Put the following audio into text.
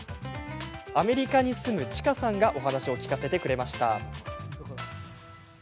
アメリカに住む、ちかさんがお話を聞かせてくれました。